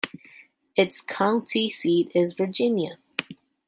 Its county seat is Virginia.